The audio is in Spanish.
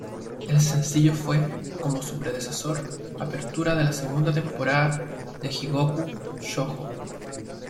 El sencillo fue, como su predecesor, apertura de la segunda temporada de Jigoku Shōjo.